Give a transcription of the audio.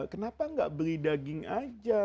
kenapa nggak beli daging aja